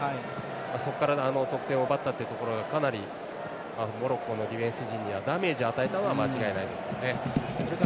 そこから得点を奪ったというところがかなりモロッコのディフェンス陣にダメージを与えたのは間違いないですね。